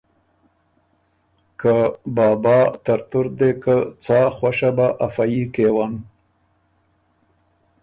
که ”بابا ترتُور دې که څا خؤش بۀ افه يي کېون“